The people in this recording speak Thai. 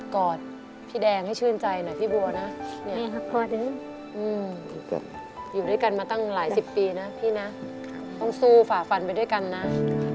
กอดพี่แดงให้ชื่นใจหน่อยพี่บัวนะ